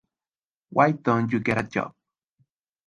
Why Don't You Get A Job?